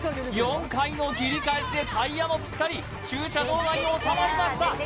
４回の切り返しでタイヤもピッタリ駐車場内に収まりました